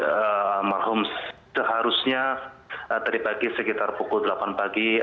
almarhum seharusnya tadi pagi sekitar pukul delapan pagi